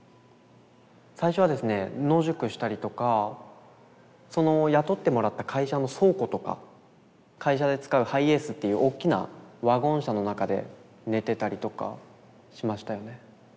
最初はですね野宿したりとか雇ってもらった会社の倉庫とか会社で使うハイエースっていうおっきなワゴン車の中で寝てたりとかしましたよね。